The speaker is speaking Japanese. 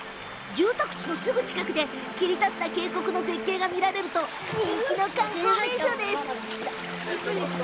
住宅地のすぐ近くで切り立った渓谷の絶景が見られると人気の観光名所です。